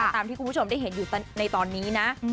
ตามที่คุณผู้ชมได้เห็นในตอนนี้